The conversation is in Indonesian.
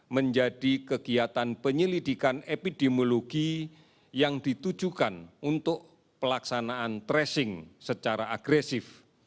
menjadi kegiatan penyelidikan epidemiologi yang ditujukan untuk pelaksanaan tracing secara agresif